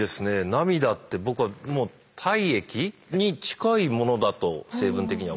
涙って僕はもう体液？に近いものだと成分的には思ってたんですけど。